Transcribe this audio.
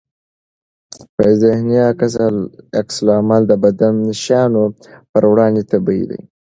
ذهني عکس العمل د بدو شیانو پر وړاندې طبيعي دی.